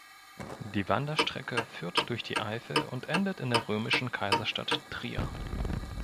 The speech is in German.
Die Wanderstrecke führt durch die Eifel und endet in der römischen Kaiserstadt Trier.